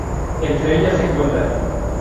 Entre ellas se cuentan